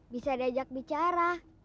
bisa diajak bicara